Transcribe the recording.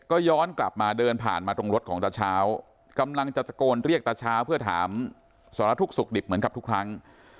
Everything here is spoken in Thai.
ก็ย้อนกลับมาเดินผ่านมาตรงรถของตาเช้ากำลังจะตะโกนเรียกตาเช้าเพื่อถามสารทุกข์สุขดิบเหมือนกับทุกครั้ง